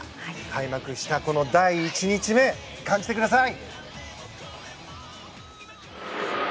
開幕したこの第１日目感じてください！